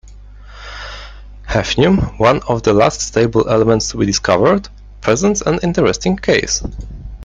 Hafnium, one of the last stable elements to be discovered, presents an interesting case.